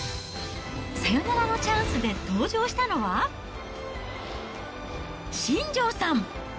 サヨナラのチャンスで登場したのは、新庄さん。